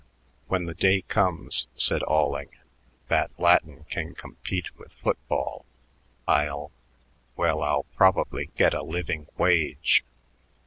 "When the day comes," said Alling, "that Latin can compete with football, I'll well, I'll probably get a living wage.